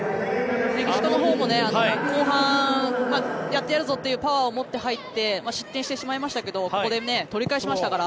メキシコのほうも後半やってやるぞというパワーを持って入って失点してしまいましたけどここで取り返しましたから。